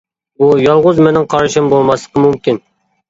بۇ يالغۇز مېنىڭ قارىشىم بولماسلىقى مۇمكىن.